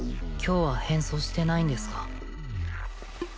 今日は変装してないんですか？